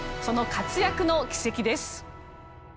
その活躍の軌跡です。